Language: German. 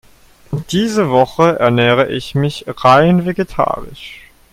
Diese Woche ernähre ich mich rein vegetarisch.